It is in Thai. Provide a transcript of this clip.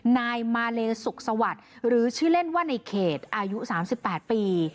นายมาเลสุกษวรรษหรือชื่อเล่นว่านายเขตอายุ๓๘ปี